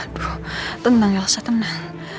aduh tenang elsa tenang